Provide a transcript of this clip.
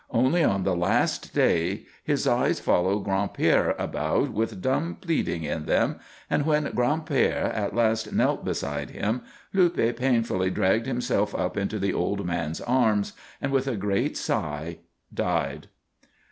Only on the last day his eyes followed Gran'père about with dumb pleading in them; and when Gran'père at last knelt beside him, Luppe painfully dragged himself up into the old man's arms, and, with a great sigh, died.